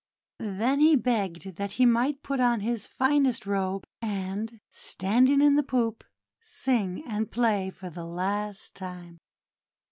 Then he begged that he might put on his finest robe, and, standing in the poop, sing and play for the last time.